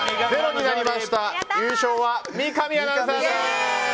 優勝は三上アナウンサーです！